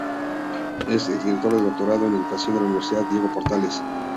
Es ex director del Doctorado en Educación de la Universidad Diego Portales.